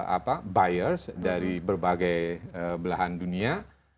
empat puluh dua apa buyers dari berbagai belahan dunia